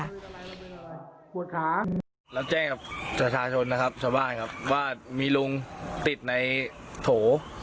แล้วแจ้งกับชาชาชนนะครับชาวบ้านครับว่ามีลุงติดในโถ